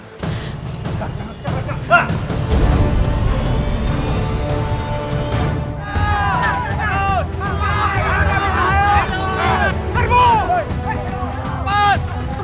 gak jangan sekarang